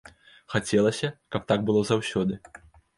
Хацелася, каб так было заўсёды.